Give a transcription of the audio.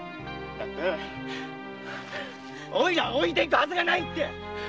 おいらを置いてくはずがないって！